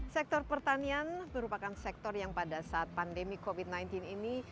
sektor pertanian merupakan sektor yang pada saat pandemi covid sembilan belas ini